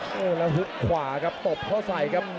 โอ้โหแล้วฮึดขวาครับตบเข้าใส่ครับ